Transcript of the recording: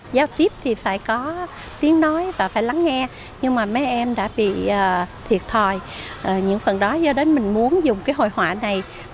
với tên gọi ân thanh hội họa